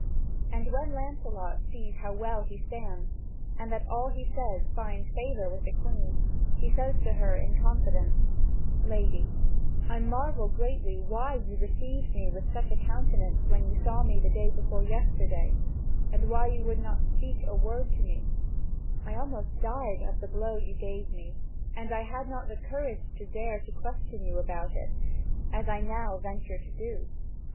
And when Lancelot sees how well he stands, and that all he says finds favour with the Queen, he says to her in confidence: "Lady, I marvel greatly why you received me with such a countenance when you saw me the day before yesterday, and why you would not speak a word to me: I almost died of the blow you gave me, and I had not the courage to dare to question you about it, as I now venture to do.